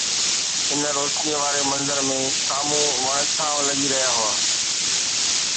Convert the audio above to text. ان روشنيءَ واري منظر ۾ سامهون وڻ ڇانوَ لڳي رهيا هئا